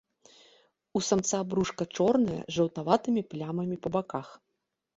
У самца брушка чорнае з жаўтаватымі плямамі па баках.